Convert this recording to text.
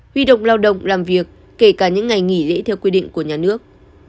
huy động lao động làm việc kể cả những ngày nghỉ lễ theo quy định của nhà nước